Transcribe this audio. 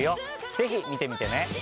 ぜひ見てみてね。